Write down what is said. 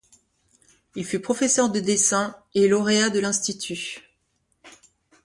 Il fut professeur de dessins et lauréat de l'Institut.